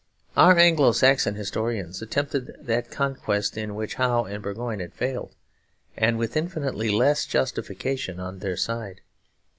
Our Anglo Saxon historians attempted that conquest in which Howe and Burgoyne had failed, and with infinitely less justification on their side.